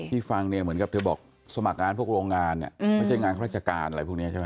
ฟังเนี่ยเหมือนกับเธอบอกสมัครงานพวกโรงงานเนี่ยไม่ใช่งานราชการอะไรพวกนี้ใช่ไหม